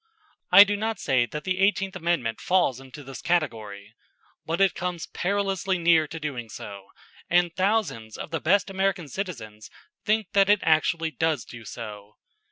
I do not say that the Eighteenth Amendment falls into this category. But it comes perilously near to doing so, and thousands of the best American citizens think that it actually does do so.